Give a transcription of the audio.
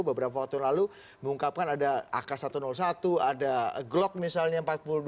beberapa waktu lalu mengungkapkan ada ak satu ratus satu ada glock misalnya empat puluh dua